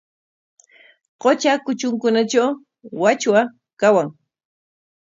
Qutra kutrunkunatraw wachwa kawan.